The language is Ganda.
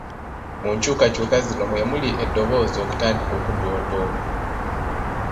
Mu nkyukakyuka zino mwe muli eddoboozi okutandika okudoodooma.